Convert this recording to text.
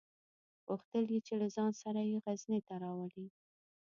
غوښتل یې چې له ځان سره یې غزني ته راولي.